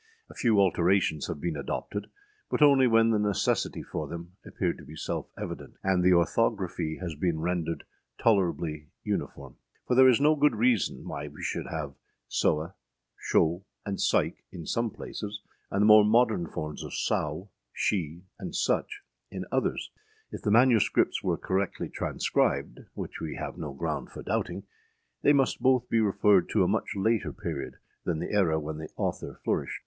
A few alterations have been adopted, but only when the necessity for them appeared to be self evident; and the orthography has been rendered tolerably uniform, for there is no good reason why we should have âsewe,â âscho,â and âsike,â in some places, and the more modern forms of âsow,â âshe,â and âsuch,â in others. If the MSS. were correctly transcribed, which we have no ground for doubting, they must both be referred to a much later period than the era when the author flourished.